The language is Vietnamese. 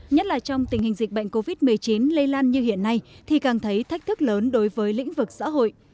nhất là trong tình hình dịch bệnh covid một mươi chín lây lan như hiện nay thì càng thấy thách thức lớn đối với lĩnh vực xã hội